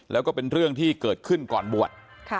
แล้วก็เป็นเรื่องที่เกิดขึ้นก่อนบวช